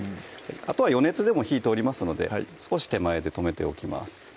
あとは余熱でも火ぃ通りますので少し手前で止めておきます